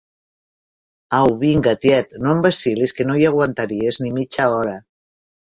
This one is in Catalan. Au vinga, tiet, no em vacil·lis, que no hi aguantaries ni mitja hora!